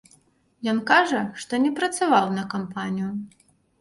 Ён кажа, што не працаваў на кампанію.